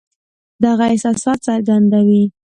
دغه احساسات څرګندوي.